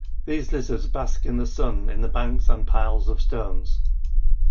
These lizards bask in the sun in the banks and piles of stones.